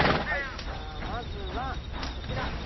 じゃあまずはこちら。